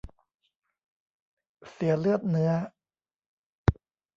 เสียเลือดเนื้อ